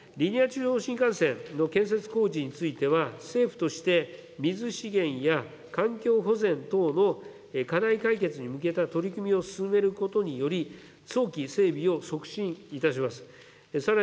中央新幹線の建設工事については、政府として水資源や環境保全等の課題解決に向けた取り組みを進めることにより、早期整備を促進いたします。